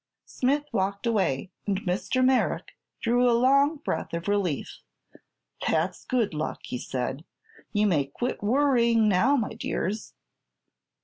Smith walked away, and Mr. Merrick drew a long breath of relief. "That's good luck," he said. "You may quit worrying, now, my dears."